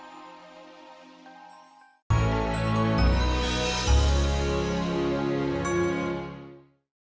kapan kamu mulai bisa ngeliat aku